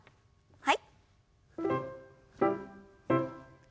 はい。